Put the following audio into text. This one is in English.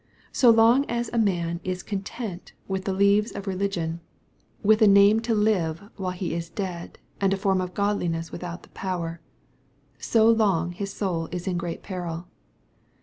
. So long as a man is content with J MATTHEW, CHAP. XXI. 271 Vbe leaves rf religion — ^with a name to live while he is dead, and a fonn of godliness without the power— so long his soul is in great peril.